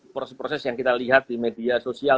proses proses yang kita lihat di media sosial